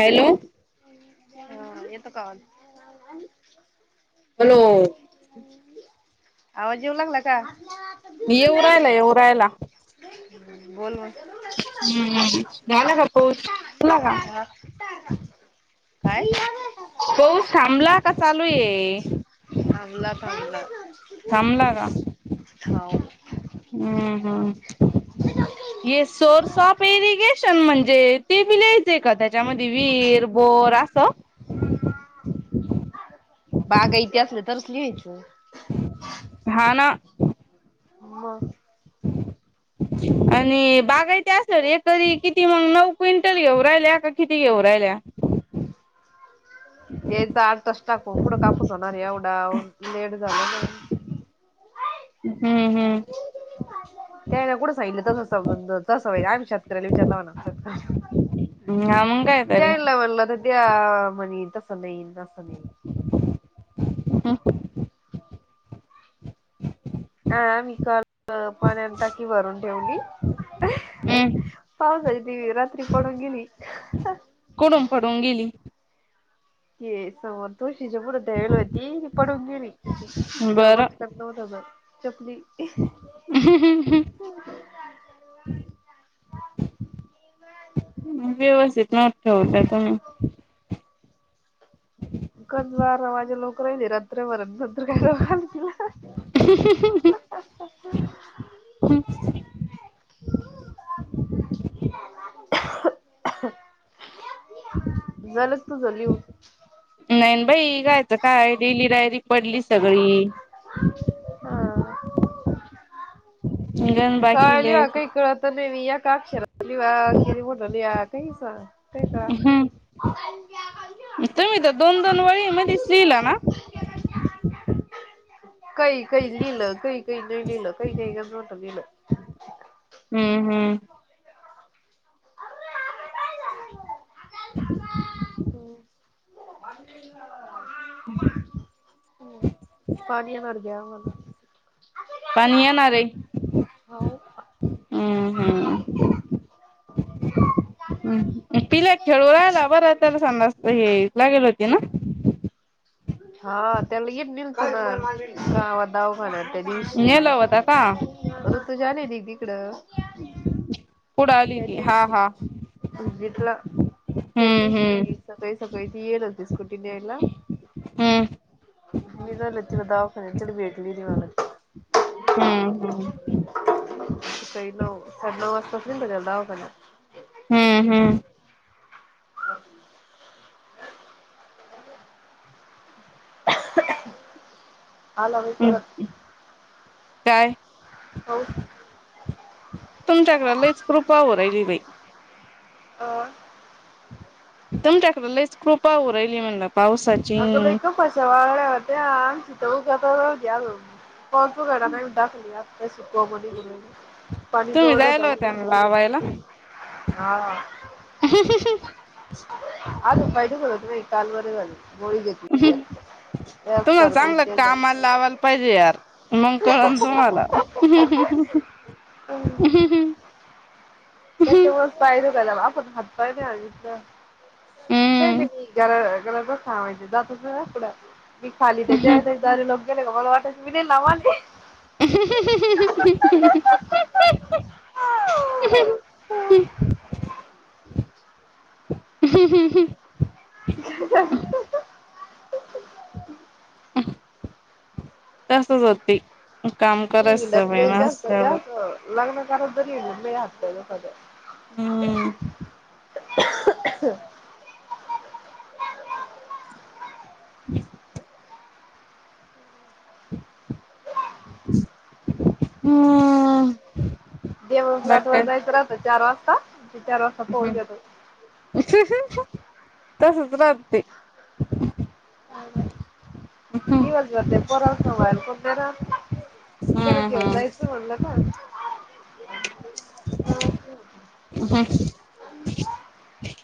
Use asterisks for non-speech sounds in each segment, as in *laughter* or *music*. Hello हा ये तर का हॅलो आवाज येऊ लागला का येऊ रायला येऊ रायला बोल हम् झाला का पो बला का हा. काय? पऊस थांबला का चालू ये हला भलं थांबला का हम् हम ये शोर शॉप येरी गे ण म्हणजे ते बी न्यायचंय का त्याच्यामध्ये वर बोर असं बागा इथे असले तरच लिहायच हा ना हम ह आणि बागायत सर एकरी किती मग नऊ क्विंटल घेऊ राहिल्या का किती घेऊ राहिल्या द्यायच आठ तास टाकून कुठं कापूस होणार एवढा लेट झाला ना हम् हम्म त्या कुठं सांगितलं तस तस वा्हाईल आम्ही शेतकऱ्याला विचारलावा ना शेतकऱ्या ह् आ मुंगायत र द्या म्हणे तसं नाहीई तसं नाही हा हा मी काल पण्या टा की भरून ठेवली हम्म पावसयेतिवी रात्री पडंगिनी कोडून पडून गेली ते समोर तोशीच्या मुढ द्यावेल होती ती पडून गेली त जव ग *unintelligible* चपली! हम *unintelligible* व्यवस्थित न ठेवतायेत. कच बार माझ्या लोकर नाही रात्रभरत नंतर कायला वाल केला. *unintelligible* झालं तुझं लिहून. नाहीन बाई लिहायचं काय डेली डायरी पडली सगळी. हा हा... अंग काय लिवा काही कळत नाही मी या काक्षरात लिवा किरी म्हणली या काही सांग काही कळत हम, तुम्ही तर दोन दोन पोळी मध्येच लिहिला ना? काही काही लिहिलं काही काही नाही लिहिलं काही नाही का नट लिहिलं. हम्म हम्म! *inaudible* हम् *inaudible* *inaudible* हम् पाणीणार ग्याणार. पाणी येणार रे! हो! पिला खेळू राहिला बरं त्या सांजा हे लागेल होती ना? हा त्याला येेत नलत ना गावात दवाखान्या दिवशी नेलं होता का ऋतुजा आलेली की इकडं. *inaudible* हा, हा. व्हिजिटला. त्या हम्म हम्म दिशी सकाळी सकाळी त येल होते स्कुटीनेला? हम्म! *unintelligible* दवाखान्यात मला भेटलेली ती, हम्म..... हम, हम! शैलो हॅलो असतील का आता दवाखान्यात. हम, हम! *inaudible* आला होय हम्म परत. काय. हो. तुमच्याकडे लईच कृपा होऊ राहिली बाई! हो! तुमच्याकडे लईच कृपा होऊ राहिली म्हणल पावसाची. आग लई का. पत्रावळ्या होत्या, उषाजवळ होत्या पाऊस उघडला नाही म्हणून टाकून दिल्या. त्या सुपवा मध्ये मुरलं पाणी तुम्ही जोरदार जायला जाईल. होत्या ना लावायला हा हा. *inaudible* आजून पाय दुखत होते नाय काल बरं झालं गोळी घेतली. एक तुम्हाला सर्दी चांगलं ते झालं. कामाला लावायला पाहिजे यार मग कळलं तुम्हाला. *inaudible* त्याच्यामुळेच पाय दुखायला लागले म्हणून हात पाय धुवा नुसते. नाही हम्म नाही मी घरात बसणं ऐवजी जातच नाय ना कुट मी खाली ते जे लोक गेले का मला वाटायचे मी किती लांब आले. ह्ह्हहहह ह्ह्हहहह ह का हसत होती. काम मी करायचं हिंडत बाई नाही जास्त माणसाला जास्त लग्न करत बरी लय हात पाय दुखत्यात हम्म *inaudible* *inaudible* ते मग फ्लॅट बाकी वर काय? जायचं राहत चार वाजता चार वाजता पाऊस येतो तसच राहत ते. हम्म दिवसभर त्या पोरांला सांभाळायला कोण तरी राहत. त्याला हम्म घेऊन हम्म जायचं म्हणलं का हा तेच ह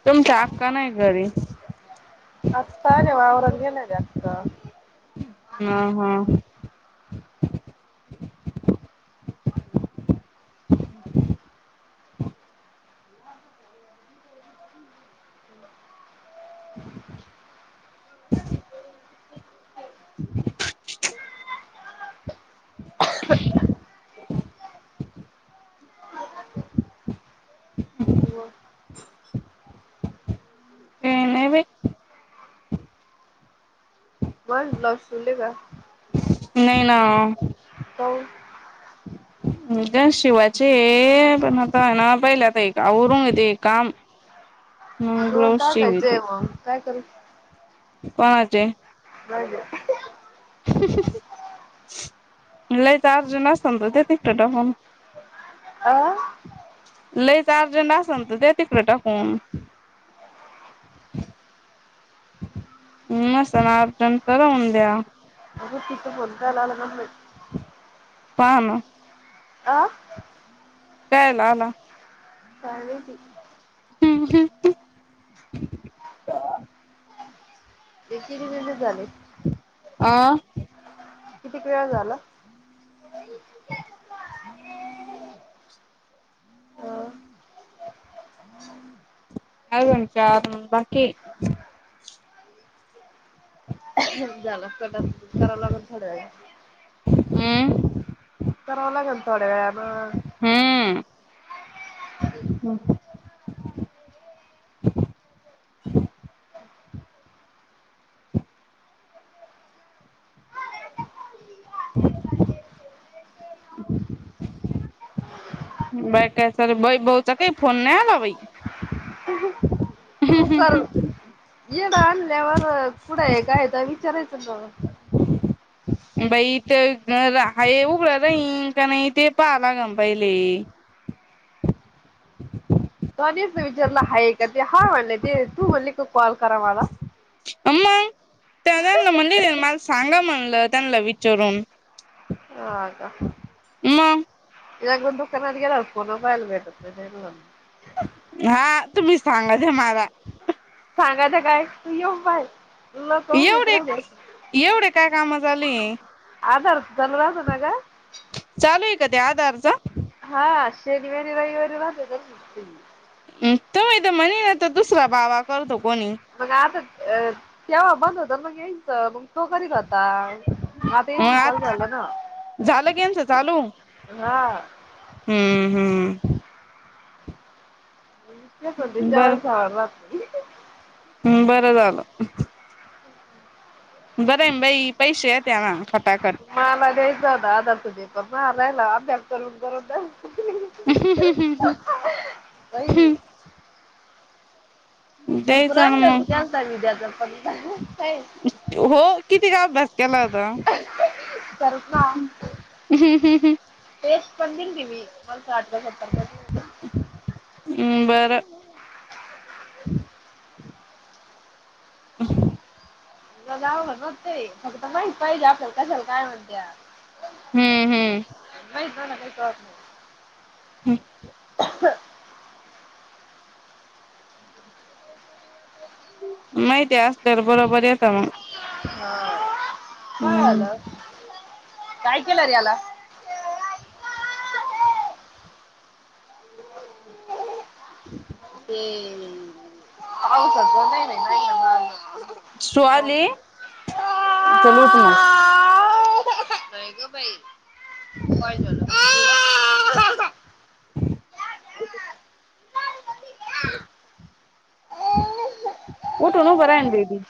तुमच्या आक्का नाही घरी *unintelligible* वावरात गेलेल्या अक्का हा, हा, माझे ते नाही बाई माझे ब्लाऊज शिवले का? नाही ना काऊन *inaudible* गंज शिवाचे हे पण आता ना पहिले आता एक आवरून घेते ये काम. मग देऊन ब्लाऊज टाकायचं आहे शिविते मग काय करू कोणाचे? माजे लईच अर्जंट आसण तर द्या तिकड टाकून- अं लईच अर्जंट असल तर द्या तिकडे टाकून नसणं अर्जंट तर राहुदया. आग तिथ बोलता आलं पाहणं अं कायला आला? काय माहिती हम्म ह *unintelligible* झाले आ कितीक वेळ झाला? *inaudible* *inaudible* अं, आजुन चार बाकीये. *unintelligible* कराव लागल थोड्या वेळानी आम कराव लागेल थोड्या वेळान हम् बाई काय चालू ये भाऊ चा काही फोन नाही आला बाई तू कर येड आणल्यावर कुठं आहे काय तर विचारायचं त्यो बाईथ उघड आहे का नाही ते पाहाला लागलं पहिले म्या निस्त विचारल ह का ते हा म्हणलेय ते, तू म्हणले का कॉल करा मला? अ मंग त्या त्याला म्हणलं मला सांगा म्हणलं त्यांला विचारून हा का मग इग दुकानाात गला अस फोबायल बेट *unintelligible* हा तुम्ही सांगाल माला. सांगायच काय तू येऊ बाय एवढे एवढे काय काम झाले. आधारतल *unintelligible* राजझ नग चालू आहे का ते आधार च्? हा शनिवारी रविवारी राहत. तुम्ही त म्हणे ना तर दुसरा बावा करतो कोणी. मग आता अ तेव्हा बंद होत म यायच मग तो करी आता. आता चिकल आज झालं ना झालं यांचं चालू हा *unintelligible* हम्म हम्म. चध जावाला *unintelligible* सव हम् बरं झालं. बर आये न भाई पैसे त्या ना खटा खट. मला द्यायचां होता आदर त देत म राहिला अभ्यार करून करून. अह हं हं हं हं बाई हम्. भरपूर द्यायचा ना मग असता विद्या *unintelligible* तर पण का हो किती काय अभ्यास केला आता. सरसा. टेस्ट पण तिनं दिली मंग मला आटल्या. हम् बरं. त गाव घ न ते फक्त महित पाहिजे कशाला काय म्हणत्या. हम्म हम्म. मला काही कळत नाही. हम. माहती असल्यावर बरोबर येत म. हा काय हम्म झालं काय केलं रे याला. हम् *unintelligible* ते पाऊस प नाही ना आ *unintelligible* शु आली चल उट म. काय गं बाई काय झालं बाई तुला? उठून उभा राय ना बेबी.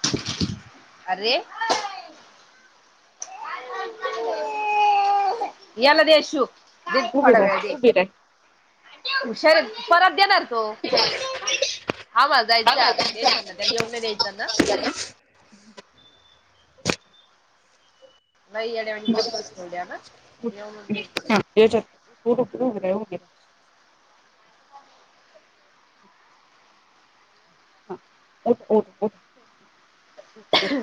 आरे, याला दे अशु दे उभी थोडा राह वेळ दे. उभी राह हुशारतं परत देणार तो. हा म जायचंय आता टेशनला त्याल येऊन नाही द्यायचं ना. लई याड्यावाणी करतोसं थोड्या न येऊनच दे. त्याच्यात *inaudible* हा उठ उठ उठ. अहं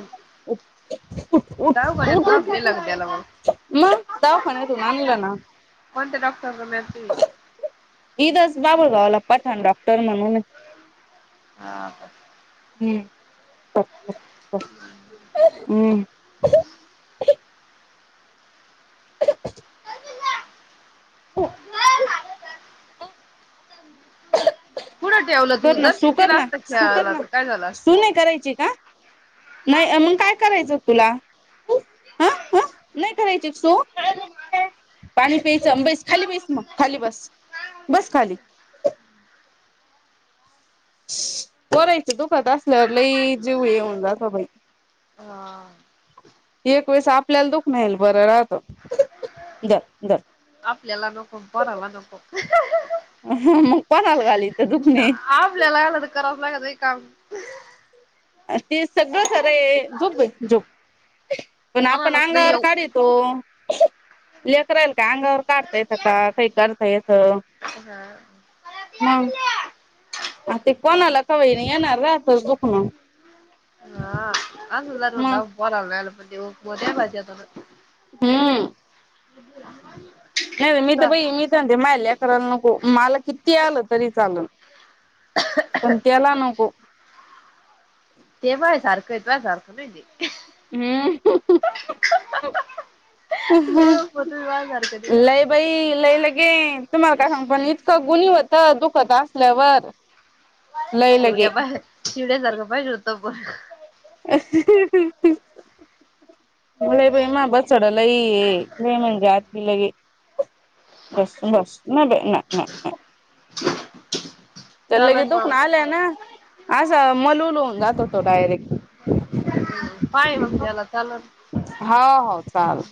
ह *inaudible* दाऊ म्हणतं मापं दिला ग त्याला मग मग *unintelligible* दवाखान्यातून आणलं ना कोणत्या डॉक्टर नेलती? ईदच बाबुळगावला पठाण डॉक्टर म्हणून ने. हा हा. हम्म हम्म. अह अ. *unintelligible* कुठं ठेवलं तू कर ना जर शिक दिला असत खेळायला तर काय झालं अस तूल नाही करायची का? नाही ये मग काय करायचं तुला ह ह नाही करायची सु? *unintelligible* पाणी प्यायचं बस खाली बैस मग खाली बस बस खाली. पोरायचं दुखत असल्यावर लई जीव हे होऊन जातो बाई! हा! एक वेळेस आपल्याला दुखणं येयल बरं राहत. धर धर! आपल्याला नको पोराला नको. मग कोणाला घालायचं दुखणे? आपल्याला आल तरी करावच लागत कामं. आ ते सगळं खरं ये झोप बाई झोप. पण आपण कोणालाच नाही अंगावर येऊ काढीत तो, लेकरायल काय अंगावर काढता येतं का काही करता येतं! हा! मग. आ ते कोणाला का होईना येणार राहतच दुखणं. मग *unintelligible* हम्म! *inaudible* नाही बाई मी तर सा- बाई मी तर म्हणते माय लेकराला नको मला किती आलं तरी चालल. पण त्याला नको! ते बाळ्या सारखंय तुया सारखं नाही तें. हम्म! लोळप तुम्ही बाय सारखं ते लय बाई लय लगेन तुम्हाला काय सांगु पनीतं तं गुणी होत दुखतं असल्यावर. लय लगे शिवड्या पाह शिवड्यासारखं पाहिजे होत पण. *unintelligible* मलय बाई माहं बछड लई ये लय म्हणजे अति लयं बस बस नाय नाय बाई नाय! त्याला लगे चालन दुखन मग आलंय ना असं मलुल होऊन जातो तो डायरेक्ट. पाय मग द्याला चालत हो हो चाल